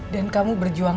dan kamu berjaya untuk dia